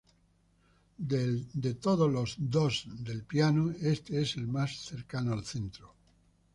De todos los "dos" del piano, este es el más cercano al centro.